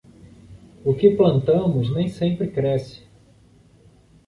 O que plantamos nem sempre cresce.